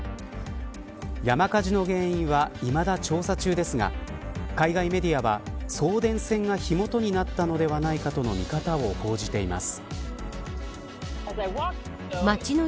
山火事の原因はいまだ調査中ですが海外メディアは送電線が火元になったのではないかとの見方を報じています。